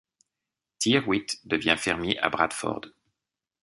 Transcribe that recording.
Tyrwhitt devient fermier à Bradford.